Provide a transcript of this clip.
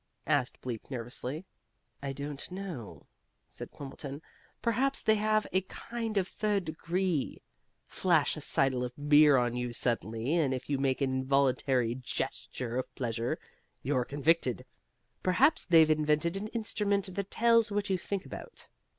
asked Bleak, nervously. "I don't know," said Quimbleton. "Perhaps they have a kind of Third Degree, flash a seidel of beer on you suddenly, and if you make an involuntary gesture of pleasure, you're convicted. Perhaps they've invented an instrument that tells what you think about.